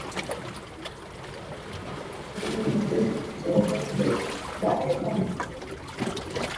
蹇念益自幼随父亲在四川念书。